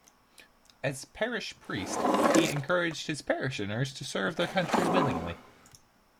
As parish priest, he encouraged his parishioners to serve their country willingly.